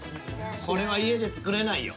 これは家で作れないよ。